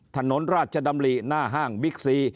ถนนราชดำริหน้าห้างบิ๊กซี